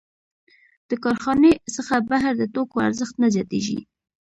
د کارخانې څخه بهر د توکو ارزښت نه زیاتېږي